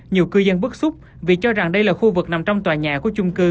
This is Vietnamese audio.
nhiều cư dân bức xúc vì cho rằng đây là khu vực nằm trong tòa nhà của chung cư